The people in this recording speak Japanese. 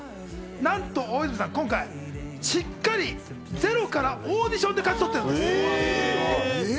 なんと大泉さん、今回、ゼロからオーディションで勝ち取ってるんです。